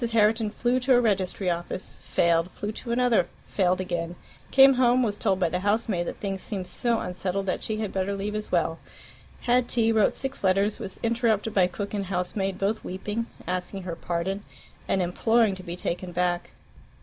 Herriton flew to a registry office, failed; flew to another, failed again; came home, was told by the housemaid that things seemed so unsettled that she had better leave as well; had tea, wrote six letters, was interrupted by cook and housemaid, both weeping, asking her pardon, and imploring to be taken back.